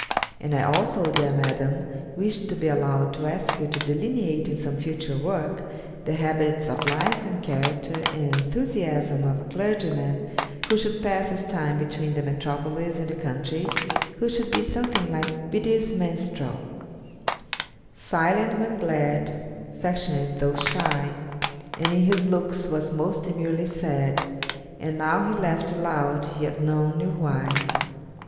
And I also, dear Madam, wished to be allowed to ask you to delineate in some future work the habits of life, and character, and enthusiasm of a clergyman, who should pass his time between the metropolis and the country, who should be something like Beattie's Minstrel Silent when glad, affectionate tho' shy, And in his looks was most demurely sad; And now he laughed aloud, yet none knew why.